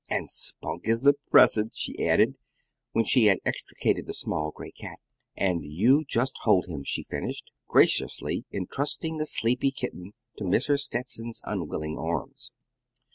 And Spunk is the present," she added, when she had extricated the small gray cat. "And you shall hold him," she finished, graciously entrusting the sleepy kitten to Mrs. Stetson's unwilling arms.